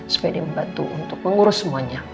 supaya dia membantu untuk mengurus semuanya